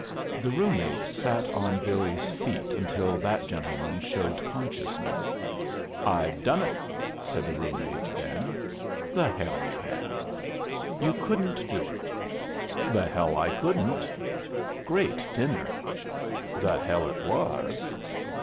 The room mate sat on Billy's feet until that gentleman showed consciousness. "I've done it, said the room mate, then. "The hell you have!" "You couldn't do it." "The hell I couldn't!" "Great dinner." "The hell it was!"